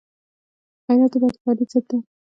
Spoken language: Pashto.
غیرت د بدکارۍ ضد دی